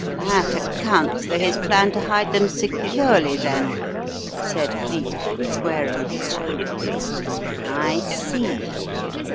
« That accounts for his plan to hide them securely, then," said Cleek, squaring his shoulders. "I see.